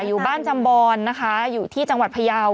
อยู่บ้านจำบอนนะคะอยู่ที่จังหวัดพยาว